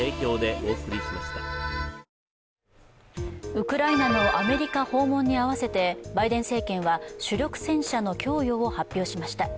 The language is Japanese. ウクライナのアメリカ訪問に合わせてバイデン政権は主力戦車の供与を発表しました。